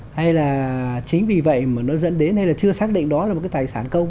hay là chính vì vậy mà nó dẫn đến hay là chưa xác định đó là một cái tài sản công